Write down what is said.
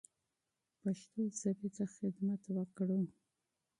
پښتو ژبې ته خدمت وکړو.